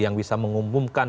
yang bisa mengumpulkan